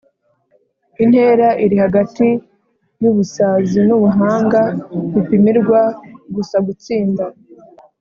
"intera iri hagati yubusazi nubuhanga bipimirwa gusa gutsinda."